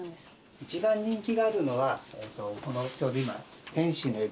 一番人気があるのはこのちょうど今天使の海老。